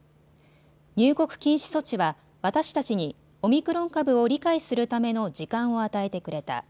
入国禁止措置は私たちにオミクロン株を理解するための時間を与えてくれた。